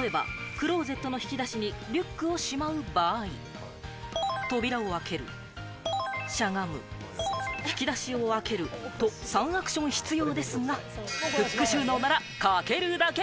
例えばクローゼットの引き出しにリュックをしまう場合、扉を開け、しゃがむ、引き出しを開けると３アクション必要ですが、フック収納ならかけるだけ。